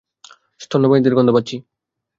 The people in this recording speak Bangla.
স্তন্যপায়ীদের গন্ধ পাচ্ছি।